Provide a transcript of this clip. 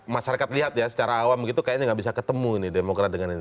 masyarakat lihat ya secara awam gitu kayaknya nggak bisa ketemu ini demokrat dengan ini